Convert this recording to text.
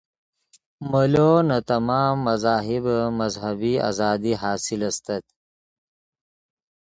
مولو نے تمام مذاہبے مذہبی آزادی حاصل استت